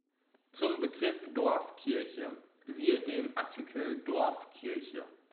Zum Begriff Dorfkirche siehe den Artikel Dorfkirche.